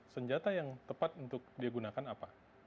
senjata yang tepat untuk dia gunakan apa